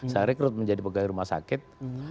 saya rekrut menjadi pegawai rumah sakit